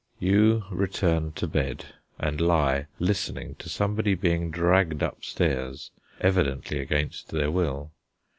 You return to bed, and lie listening to somebody being dragged upstairs, evidently against their will.